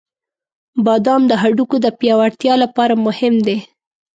• بادام د هډوکو د پیاوړتیا لپاره مهم دی.